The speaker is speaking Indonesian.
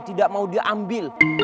tidak mau diambil